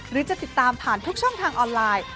หรือจะติดตามผ่านทุกช่องทางออนไลน์